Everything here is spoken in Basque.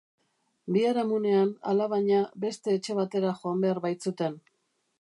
Biharamunean, alabaina, beste etxe batera joan behar baitzuten.